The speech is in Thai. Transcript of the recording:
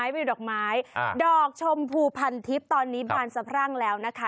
ไปดูดอกไม้ดอกชมภูพันธิปตอนนี้บานสะพร่างแล้วนะคะ